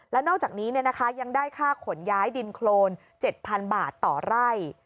แล้วนอกจากนี้ยังได้ค่าขนย้ายดินโครน๗๐๐บาทต่อไร่